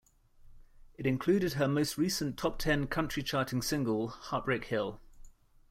It included her most recent top-ten country-charting single, "Heartbreak Hill".